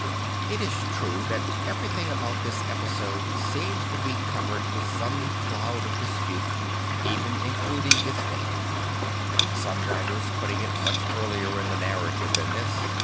It is true that every thing about this episode seems to be covered with some cloud of dispute, even including its date; some writers putting it much earlier in the narrative than this.